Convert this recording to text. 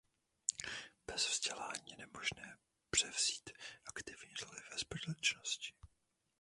Bez vzdělání je nemožné převzít aktivní roli ve společnosti.